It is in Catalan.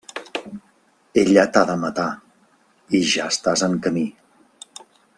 Ella t'ha de matar, i ja estàs en camí.